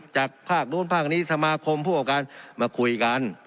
จากภาคโน้นภาคนี้สมาคมปกรณ์มาคุยกัน